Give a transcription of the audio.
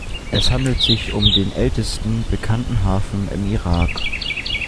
Es handelt sich um den ältesten bekannten Hafen im Irak.